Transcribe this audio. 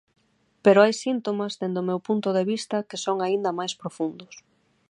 Pero hai síntomas, dende o meu punto de vista, que son aínda máis profundos.